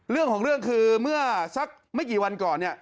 เรื่องของเรื่องคือเมื่อสักไม่กี่วันก่อนเนี่ย